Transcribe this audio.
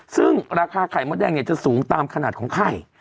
ซึ่งราคาไข่มดแดงเนี่ยจะสูงตามขนาดของไข่